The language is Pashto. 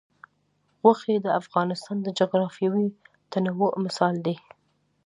غوښې د افغانستان د جغرافیوي تنوع مثال دی.